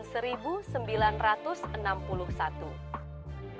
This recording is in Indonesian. usai penugasan di irian barat suharto ditarik kembali ke markas